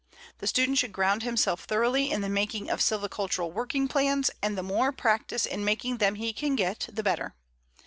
The student should ground himself thoroughly in the making of silvicultural working plans, and the more practice in making them he can get, the better.